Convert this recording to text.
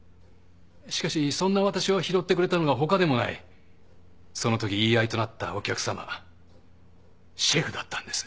しかしそんな私を拾ってくれたのが他でもないそのとき言い合いとなったお客さまシェフだったんです。